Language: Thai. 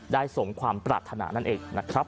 สมความปรารถนานั่นเองนะครับ